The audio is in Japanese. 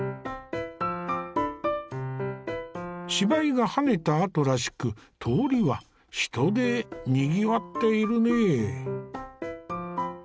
芝居がはねたあとらしく通りは人でにぎわっているね。